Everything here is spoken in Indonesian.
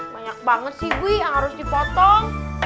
banyk banget sih biih yang harus dipotong